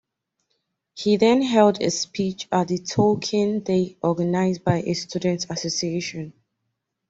He then held a speech at a Tolkien day organised by a student association.